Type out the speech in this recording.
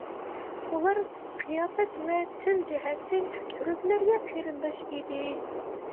ئۇلار قىياپەت ۋە تىل جەھەتتىن تۈركلەرگە قېرىنداش ئىدى.